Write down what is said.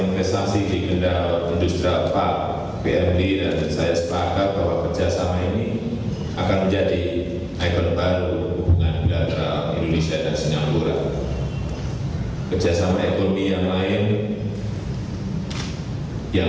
kedua negara yang berpengalaman